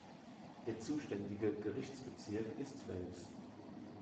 Der zuständige Gerichtsbezirk ist Wels.